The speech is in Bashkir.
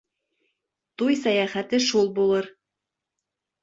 Туй сәйәхәте шул булыр.